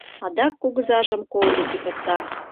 Адак кугызажым кол деке покта: